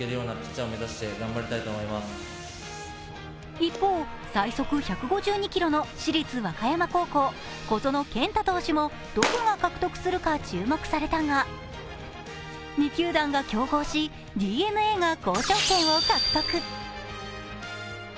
一方、最速１２５ｋｍの市立和歌山高校、小園健太投手も、どこが獲得するか注目されたが、２球団が競合し、ＤｅＮＡが交渉権を獲得。